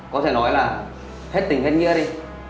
có thể nói là hết tỉnh hết nghĩa đi